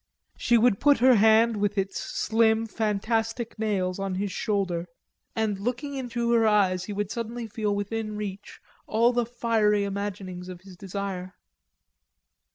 She would put her hand with its slim fantastic nails on his shoulder; and, looking into her eyes, he would suddenly feel within reach all the fiery imaginings of his desire.